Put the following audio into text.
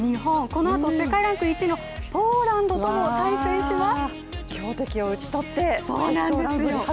このあと世界ランク１位のポーランドとも対戦します。